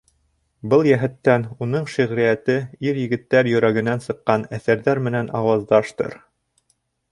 Был йәһәттән уның шиғриәте ир-егеттәр йөрәгенән сыҡҡан әҫәрҙәр менән ауаздаштыр.